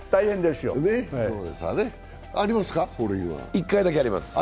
１回だけあります。